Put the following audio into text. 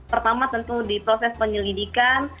pertama tentu di proses penyelidikan